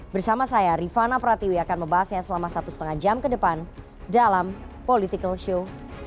bersama saya rifana pratiwi akan membahasnya selama satu lima jam ke depan dalam political show